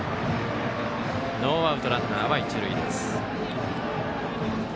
ノーアウトランナーは一塁です。